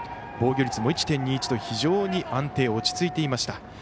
防御率も１．２１と非常に安定落ち着いていました。